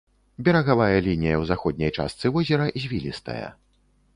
Берагавая лінія ў заходняй частцы возера звілістая.